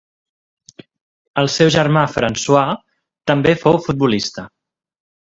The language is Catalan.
El seu germà François, també fou futbolista.